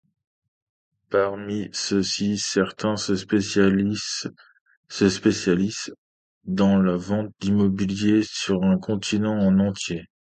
Parmi ceux-ci, certains se spécialisent dans la vente d'immobilier sur un continent en entier.